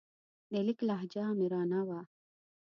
د لیک لهجه آمرانه وه.